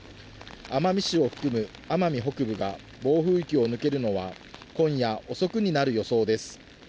奄美市を含む奄美北部が暴風域を抜けるのは、今夜遅くになる予想です。